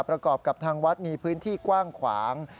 ประกอบกับทางวัดมีพื้นที่กว้างขวาง